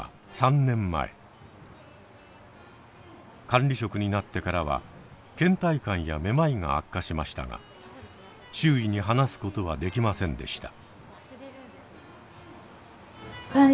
管理職になってからはけん怠感やめまいが悪化しましたが周囲に話すことはできませんでした。